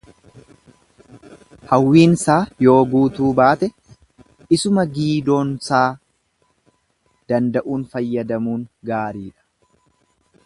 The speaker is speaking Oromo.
Hawwiinsaa yoo guutuu baate isuma giidoon saa danda'uun fayyadamuun gaaridha.